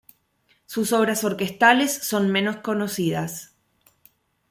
Sus obras orquestales son menos conocidas.